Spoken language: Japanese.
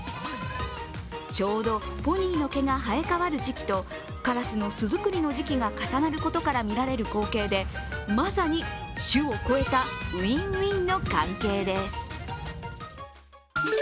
ちょうどポニーの毛が生えかわる時期とカラスの巣作りの時期が重なることから見られる光景でまさに種を超えたウィン・ウィンの関係です。